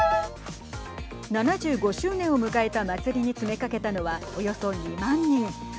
７５周年を迎えた祭りに詰めかけたのはおよそ２万人。